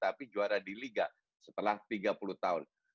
tapi juara di liga setelah tiga puluh tahun